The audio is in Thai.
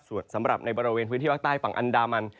ส่วนสำหรับในบริเวณพื้นที่ภาคใต้ฝั่งอันดามัน